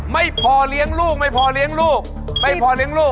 ไม่พอเลี้ยงลูกไทม์ให้๑แม้